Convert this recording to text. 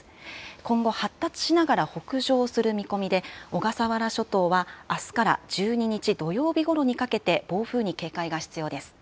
今後、発達しながら北上する見込みで、小笠原諸島はあすから１２日土曜日ごろにかけて、暴風に警戒が必要です。